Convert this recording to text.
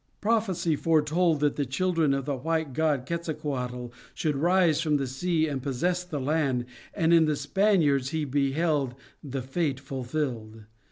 Prophecy foretold that the children of the white god Quetzalcoatl should rise from the sea to possess the land, and in the Spaniards he beheld the fate fulfilled.